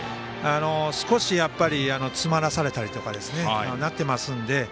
少し、詰まらされたりとかなってますので。